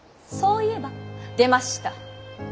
「そういえば」出ました。